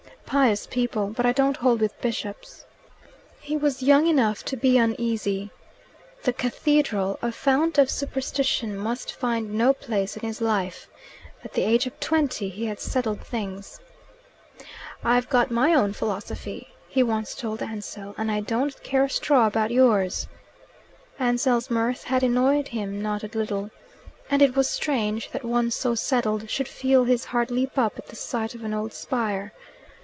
"Pious people. But I don't hold with bishops." He was young enough to be uneasy. The cathedral, a fount of superstition, must find no place in his life. At the age of twenty he had settled things. "I've got my own philosophy," he once told Ansell, "and I don't care a straw about yours." Ansell's mirth had annoyed him not a little. And it was strange that one so settled should feel his heart leap up at the sight of an old spire.